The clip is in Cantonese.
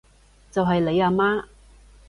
就係你阿媽